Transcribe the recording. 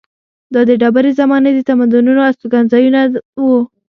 دا د ډبرې زمانې د تمدنونو استوګنځایونه وو.